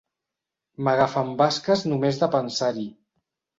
M'agafen basques només de pensar-hi.